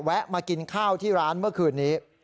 มากินข้าวที่ร้านเมื่อคืนนี้